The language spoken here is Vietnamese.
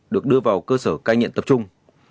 được đưa vào cơ sở cai nghiện tập trung